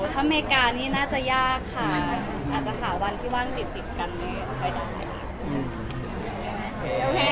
ถ้าอเมริกานี่น่าจะยากค่ะอาจจะหาวันที่ว่างติดกัน